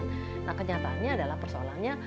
nah kenyataannya adalah persoalannya